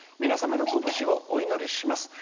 皆さんのご無事をお祈り申し上げます。